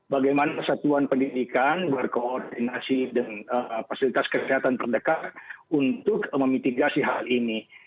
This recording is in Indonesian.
bagaimana satuan pendidikan berkoordinasi dengan faskes untuk memitigasi hal ini